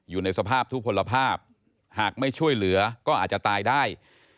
อยู่ในสภาพทุกผลภาพหากไม่ช่วยเหลือก็อาจจะตายได้